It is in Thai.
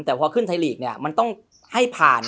แต่พอขึ้นไทยลีกเนี่ยมันต้องให้ผ่าน